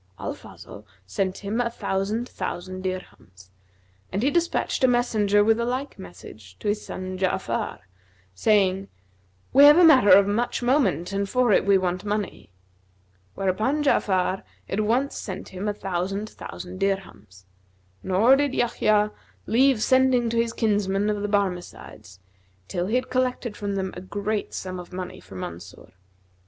Al Fazl sent him a thousand thousand dirhams, and he despatched a mes senger with a like message to his son Ja'afar, saying, 'We have a matter of much moment and for it we want money;' whereupon Ja'afar at once sent him a thousand thousand dirhams; nor did Yahya leave sending to his kinsmen of the Barmecides, till he had collected from them a great sum of money for Mansur.